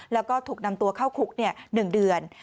แล้วก็ถูกนำตัวเข้าคุก๑เดือน